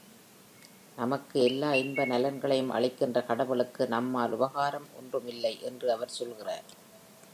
நமக்கு எல்லா இன்ப நலங்களையும் அளிக்கின்ற கடவுளுக்கு நம்மால் உபகாரம் ஒன்றும் இல்லை என்று அவர் சொல்கிறார்.